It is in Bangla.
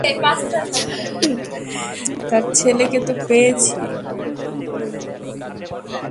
তার ছেলেকে তো পেয়েছি।